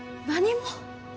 何も！